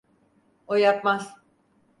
O yapmaz.